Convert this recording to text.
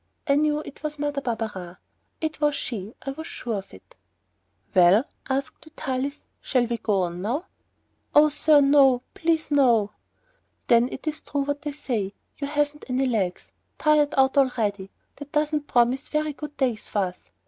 I knew it was Mother Barberin. It was she. I was sure of it. "Well," asked Vitalis, "shall we go on now?" "Oh, sir, no, please no." "Then it is true what they say, you haven't any legs, tired out already. That doesn't promise very good days for us."